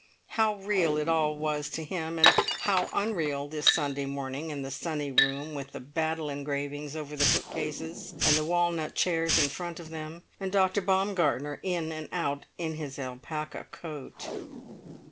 How real it all was to him, and how unreal this Sunday morning, in the sunny room with the battle engravings over the book cases, and the walnut chairs in front of them, and Dr. Baumgartner in and out in his alpaca coat!